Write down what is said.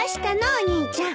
お兄ちゃん。